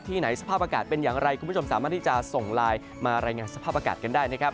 ไหนสภาพอากาศเป็นอย่างไรคุณผู้ชมสามารถที่จะส่งไลน์มารายงานสภาพอากาศกันได้นะครับ